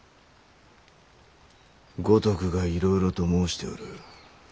五徳がいろいろと申しておる。